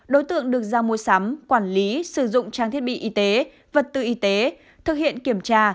đối tượng được giao mua sắm quản lý sử dụng trang thiết bị y tế vật tư y tế thực hiện kiểm tra